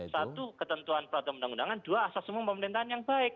satu ketentuan peraturan undang undangan dua asas semua pemerintahan yang baik